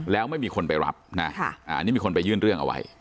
แล้วไม่มีคนไปรับนะอันนี้มีคนไปยื่นเรื่องเอาไว้